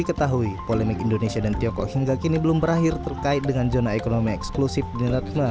diketahui polemik indonesia dan tiongkok hingga kini belum berakhir terkait dengan zona ekonomi eksklusif di ratna